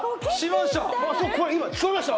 聞こえました？